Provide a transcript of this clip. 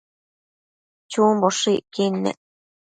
chumboshëcquid nec